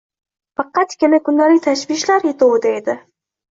Faqatgina kundalik tashvishlar yetovida edi.